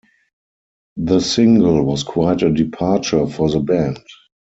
The single was quite a departure for the band.